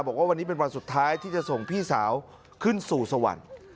บอกว่าวันนี้เป็นวันสุดท้ายที่จะส่งพี่สาวขึ้นสู่สวรรค์